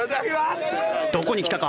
どこに来たか。